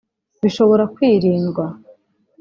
bishobora kwirindwa